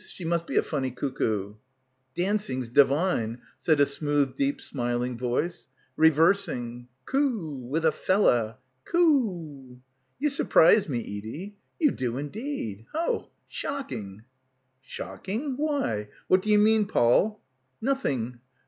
She must be a funny cuckoo!" "Dancing's divine," said a smooth deep smil ing voice. "Reversing. Khoo! with a fella. Khooo!" "You surprise me, Edie. You do indeed. Hoh. Shocking." "Shocking? Why? What do you mean, Poll?" "Nothing.